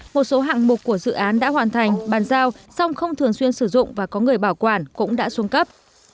một số hạng mục của dự án đã hoàn thành bàn giao song không thường xuyên sử dụng và có người bảo quản cũng đã xuống cấp